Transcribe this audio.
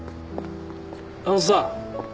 あのさ。